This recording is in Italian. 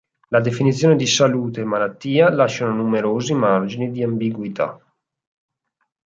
Le definizioni di salute e malattia lasciano numerosi margini di ambiguità.